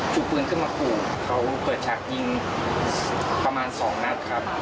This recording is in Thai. จูบปืนขึ้นจูบปืนขึ้นมาขู่เขาเปิดฉากยิงประมาณสองนัดครับ